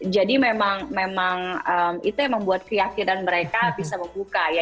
jadi memang memang itu yang membuat keyakinan mereka bisa membuka ya